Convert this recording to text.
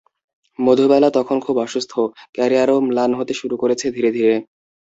মধুবালা তখন খুব অসুস্থ, ক্যারিয়ারও ম্লান হতে শুরু করেছে ধীরে ধীরে।